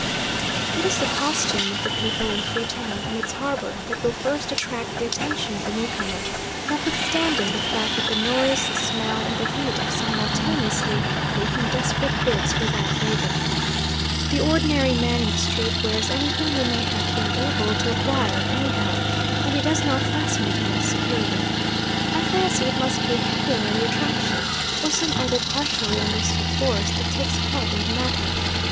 It is the costume of the people in Free Town and its harbour that will first attract the attention of the newcomer, notwithstanding the fact that the noise, the smell, and the heat are simultaneously making desperate bids for that favour. The ordinary man in the street wears anything he may have been able to acquire, anyhow, and he does not fasten it on securely. I fancy it must be capillary attraction, or some other partially understood force, that takes part in the matter.